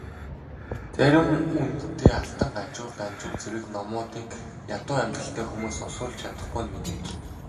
Зарим үнэтэй Алтан Ганжуур, Данжуур зэрэг номуудыг ядуу амьдралтай хүмүүс уншуулж чадахгүй нь мэдээж.